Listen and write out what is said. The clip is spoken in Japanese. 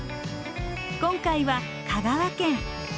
今回は香川県。